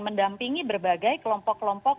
mendampingi berbagai kelompok kelompok